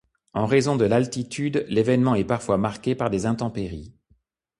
En raison de l'altitude, l'événement est parfois marqué par des intempéries.